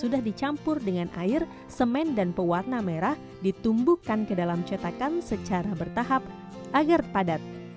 sudah dikumpulkan dengan air semen dan pewarna merah ditumbuhkan ke dalam cetakan secara bertahap agar padat